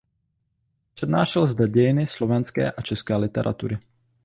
Přednášel zde dějiny slovenské a české literatury.